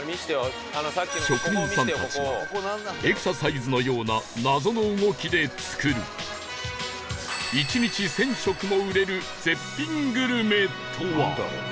職人さんたちがエクササイズのような謎の動きで作る１日１０００食も売れる絶品グルメとは？